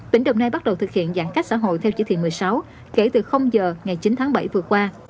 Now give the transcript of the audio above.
tỉnh đồng nai bắt đầu thực hiện giãn cách xã hội theo chỉ thị một mươi sáu kể từ giờ ngày chín tháng bảy vừa qua